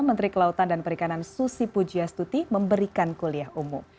menteri kelautan dan perikanan susi pujiastuti memberikan kuliah umum